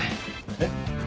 えっ？